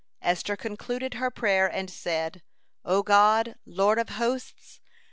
'" Esther concluded her prayer and said: "O God, Lord of hosts!